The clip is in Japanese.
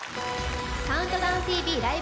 「ＣＤＴＶライブ！